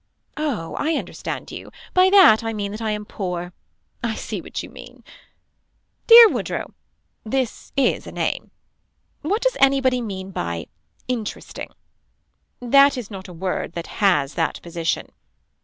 Oh I understand you. By that I mean that I am poor. I see what you mean. Dear Woodrow. This is a name. What does anybody mean by interesting. That is not a word that has that position.